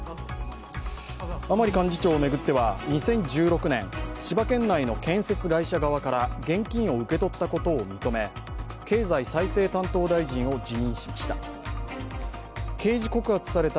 甘利幹事長を巡っては２０１６年、千葉県内の建設会社側から現金を受け取ったことを認め経済再生担当大臣を辞任しました。